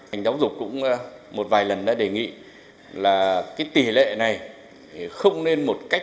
ngành giáo dục cũng một vài lần đã đề nghị là cái tỷ lệ này không nên một cách